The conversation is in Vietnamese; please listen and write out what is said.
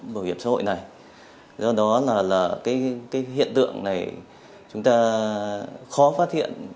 bảo hiểm xã hội này do đó là cái hiện tượng này chúng ta khó phát hiện